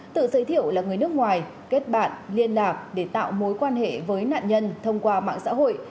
tự giới thiệu là người nước ngoài kết bạn liên lạc để tạo mối quan hệ với nạn nhân thông qua mạng xã hội